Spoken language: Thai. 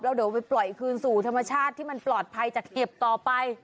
เดี๋ยวไปปล่อยคืนสู่ธรรมชาติที่มันปลอดภัยจากเก็บต่อไป